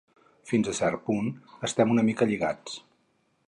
fins a cert punt estem una mica lligats